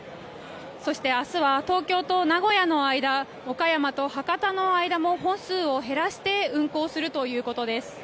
そして明日は東京と名古屋の間岡山と博多の間も本数を減らして運行するということです。